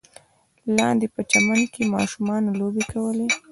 لاندې په چمن کې ماشومانو لوبې کولې.